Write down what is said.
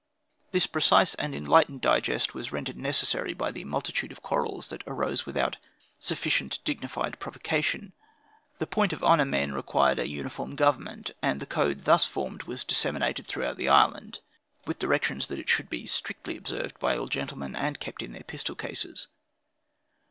This precise and enlightened digest was rendered necessary by the multitude of quarrels that arouse without "sufficient dignified provocation:" the point of honor men required a uniform government; and the code thus formed was disseminated throughout the island, with directions that it should be strictly observed by all gentlemen, and kept in their pistol cases.